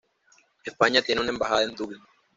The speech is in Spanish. España tienen una embajada en Dublín.